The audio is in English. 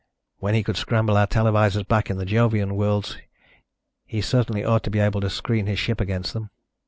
When he could scramble our televisors back in the Jovian worlds, he certainly ought to be able to screen his ship against them."